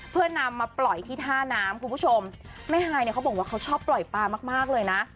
เพื่อนำมาปล่อยที่ท่าน้ำคุณผู้ชมแม่ฮายเนี่ยเขาบอกว่าเขาชอบปล่อยปลามากมากเลยนะ